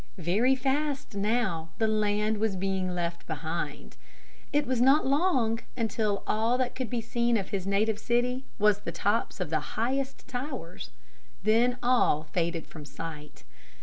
Very fast now the land was being left behind. It was not long until all that could be seen of his native city was the tops of the highest towers. Then all faded from sight.